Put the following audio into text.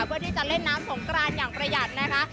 เพื่อที่จะเล่นน้ำสงกรานอย่างประหยัดนะคะ